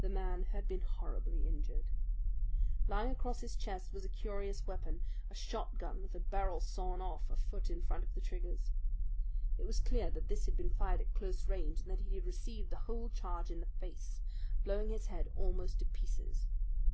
The man had been horribly injured. Lying across his chest was a curious weapon, a shotgun with the barrel sawed off a foot in front of the triggers. It was clear that this had been fired at close range and that he had received the whole charge in the face, blowing his head almost to pieces.